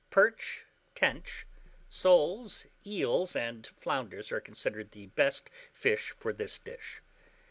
Perch, tench, soles, eels, and flounders are considered the best fish for this dish.